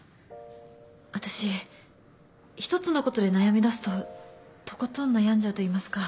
私一つのことで悩みだすととことん悩んじゃうといいますか。